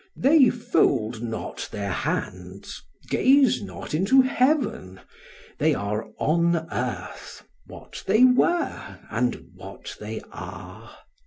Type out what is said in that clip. They fold not their hands, gaze not into heaven; they are on earth, what they were and what they are.